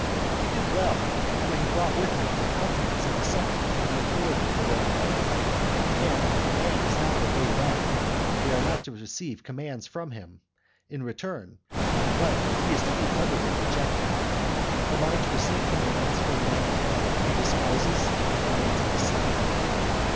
He did well for he had brought with him the countenance of the senate and the authority of the Roman people, and if a man does not obey that, we are not to receive commands from him in return, but he is to be utterly rejected. Am I to receive commands from a man who despises the commands of the senate?